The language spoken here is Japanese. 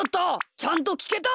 ちゃんときけた？